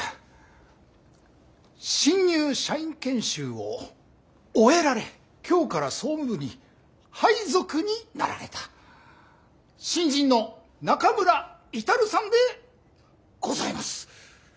新入社員研修を終えられ今日から総務部に配属になられた新人の中村達さんでございます。